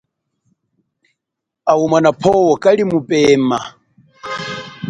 Au mwano pwo kali mupema.